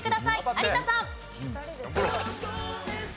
有田さん。